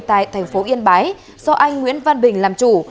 tại thành phố yên bái do anh nguyễn văn bình làm chủ